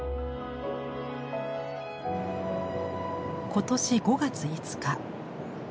今年５月５日。